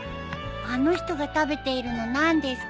あの人が食べているの何ですか？